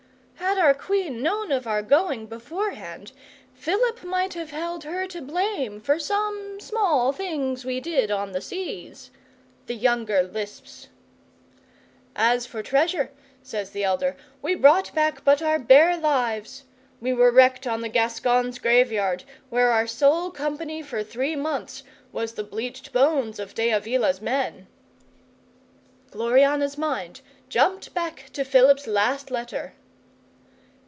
'"Had our Queen known of our going beforehand, Philip might have held her to blame for some small things we did on the seas," the younger lisps. '"As for treasure," says the elder, "we brought back but our bare lives. We were wrecked on the Gascons' Graveyard, where our sole company for three months was the bleached bones of De Avila's men." 'Gloriana's mind jumped back to Philip's last letter.